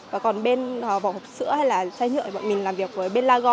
và còn bên vỏ hộp sữa hay là chai nhựa bọn mình làm việc với bên lago